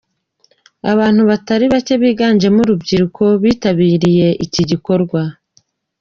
Abantu batari bacye biganjemo urubyiruko bitabiriye iki gikorwa.